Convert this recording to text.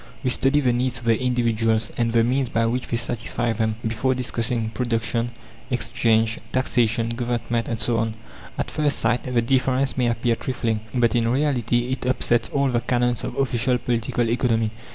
We study the needs of the individuals, and the means by which they satisfy them, before discussing Production, Exchange, Taxation, Government, and so on. At first sight the difference may appear trifling, but in reality it upsets all the canons of official Political Economy.